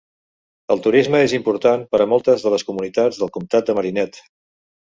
El turisme és important per a moltes de les comunitats del comtat de Marinette.